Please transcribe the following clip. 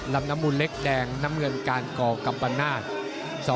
ลำน้ำมูลเล็กแดงน้ำเงินการก่อกัมปนาศ